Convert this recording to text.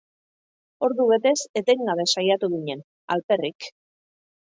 Ordu betez etengabe saiatu ginen, alperrik.